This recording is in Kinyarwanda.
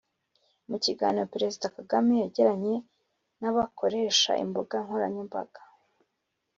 Mu kiganiro Perezida Kagame yagiranye n’abakoresha imbuga nkoranyambaga